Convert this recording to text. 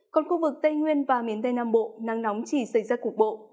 còn khu vực tây nguyên và miền tây nam bộ nắng nóng chỉ xảy ra cục bộ